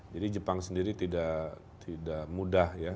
jadi jepang sendiri tidak mudah ya